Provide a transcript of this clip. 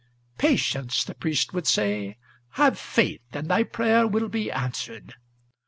"Patience!" the priest would say; "have faith, and thy prayer will be answered!